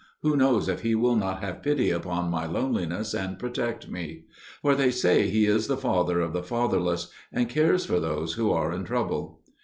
Who knows if He will not have pity upon my loneliness and protect me? For they say He is the Father of the fatherless, and cares for those who are in trouble."